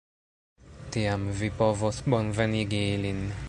Tiam vi povos bonvenigi ilin.